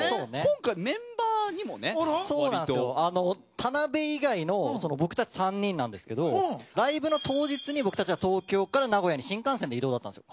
田邊以外の僕たち３人なんですけどライブの当日に僕たちは東京から名古屋に新幹線で移動だったんですよ。